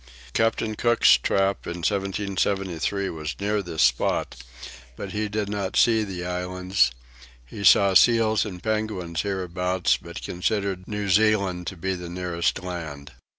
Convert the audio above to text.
Captain Cook's track in 1773 was near this spot, but he did not see the islands: he saw seals and penguins hereabouts, but considered New Zealand to be the nearest land.